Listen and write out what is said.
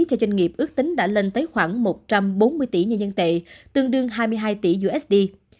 cho doanh nghiệp ước tính đã lên tới khoảng một trăm bốn mươi tỷ nhân dân tệ tương đương hai mươi hai tỷ usd